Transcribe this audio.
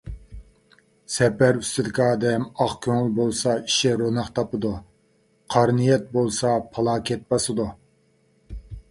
سەپەر ئۈستىدىكى ئادەم ئاق كۆڭۈل بولسا ئىشى روناق تاپىدۇ، قارا نىيەت بولسا پالاكەت باسىدۇ.